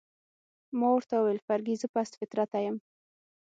ما ورته وویل: فرګي، زه پست فطرته یم؟